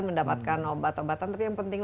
mendapatkan obat obatan tapi yang penting